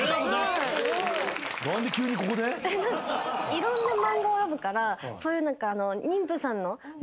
いろんな漫画を読むからそういう。